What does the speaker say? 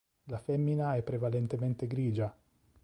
La femmina è prevalentemente grigia.